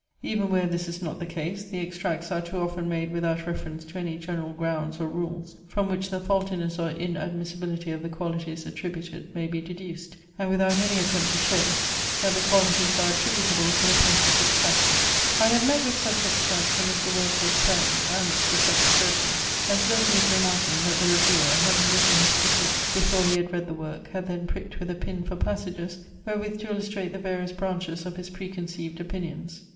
Even where this is not the case, the extracts are too often made without reference to any general grounds or rules from which the faultiness or inadmissibility of the qualities attributed may be deduced; and without any attempt to show, that the qualities are attributable to the passage extracted. I have met with such extracts from Mr. Wordsworth's poems, annexed to such assertions, as led me to imagine, that the reviewer, having written his critique before he had read the work, had then pricked with a pin for passages, wherewith to illustrate the various branches of his preconceived opinions.